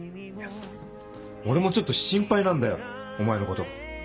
俺もちょっと心配なんだよお前のこと。